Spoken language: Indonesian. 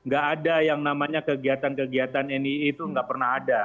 gak ada yang namanya kegiatan kegiatan nii itu nggak pernah ada